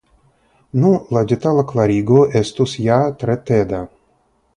Nu, la detala klarigo estus ja tre teda.